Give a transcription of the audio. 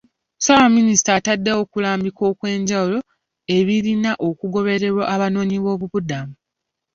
Ssaabaminisita ataddewo okulambika okw'enjawulo ebirina okugobererwa abanoonyiboobubudamu.